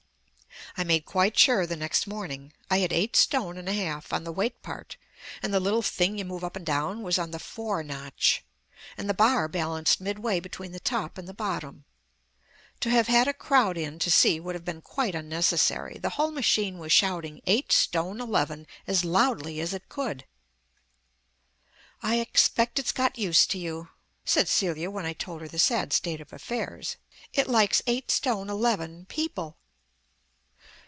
I made quite sure the next morning. I had eight stone and a half on the weight part, and the little thing you move up and down was on the "4" notch, and the bar balanced midway between the top and the bottom. To have had a crowd in to see would have been quite unnecessary; the whole machine was shouting eight stone eleven as loudly as it could. "I expect it's got used to you," said Celia when I told her the sad state of affairs. "It likes eight stone eleven people."